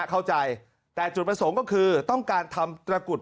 เข้าใจแต่จุดประสงค์ก็คือต้องการทำตระกุด